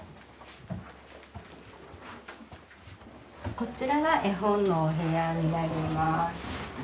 こちらが絵本のお部屋になります。